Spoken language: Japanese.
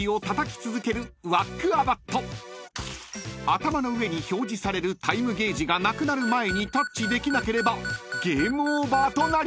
［頭の上に表示されるタイムゲージがなくなる前にタッチできなければゲームオーバーとなります］